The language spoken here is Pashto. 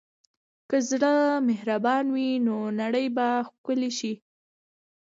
که زړه مهربان وي، نو نړۍ به ښکلې شي.